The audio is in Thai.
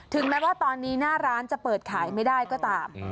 แม้ว่าตอนนี้หน้าร้านจะเปิดขายไม่ได้ก็ตาม